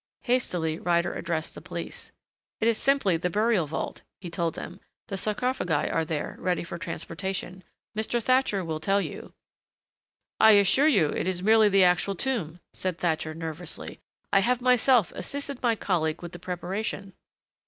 Hastily Ryder addressed the police. "It is simply the burial vault," he told them. "The sarcophagi are there, ready for transportation. Mr. Thatcher will tell you " "I assure you it is merely the actual tomb," said Thatcher nervously. "I have myself assisted my colleague with the preparation."